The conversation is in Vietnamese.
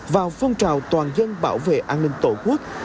vào phong trào toàn dân bảo vệ an ninh tổ quốc